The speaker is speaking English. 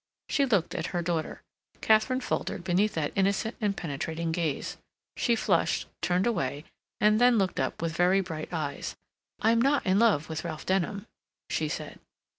She looked at her daughter. Katharine faltered beneath that innocent and penetrating gaze; she flushed, turned away, and then looked up with very bright eyes. "I'm not in love with Ralph Denham," she said.